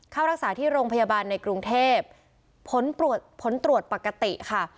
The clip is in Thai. เข้ารักษาที่โรงพยาบาลในกรุงเทพผลตรวจผลตรวจปกติค่ะ